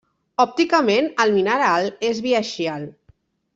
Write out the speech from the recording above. Òpticament, el mineral és biaxial.